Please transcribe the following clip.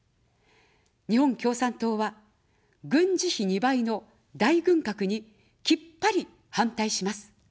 日本共産党は、軍事費２倍の大軍拡にきっぱり反対します。